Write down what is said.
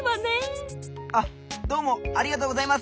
あっどうもありがとうございます！